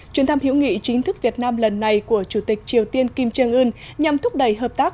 chuyến thăm hữu nghị chính thức việt nam lần này của chủ tịch triều tiên kim trương ươn nhằm thúc đẩy hợp tác